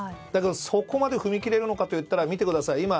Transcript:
だけどそこまで踏み切れるのかと言ったら見てください